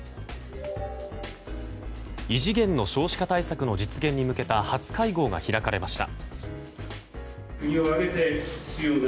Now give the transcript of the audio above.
異次元の少子化対策の実現に向けた初会合が開かれました。